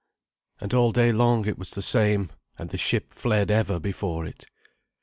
And all day long it was the same, and the ship fled ever before it.